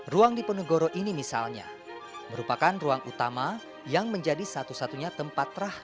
ruang di ponegoro ini misalnya merupakan ruang utama yang menjadi satu satunya tempat terah